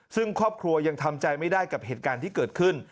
ซึ่งครอบครัวยังทำใจไม่ได้กับเหตุการณ์ที่เกิดขึ้น